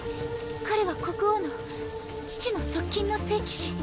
彼は国王の父の側近の聖騎士。